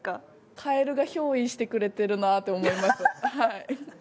カエルが憑依してくれているなと思います。